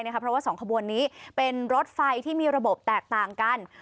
เพราะว่า๒ขบวนนี้เป็นรถไฟที่มีระบบแตกต่างกัน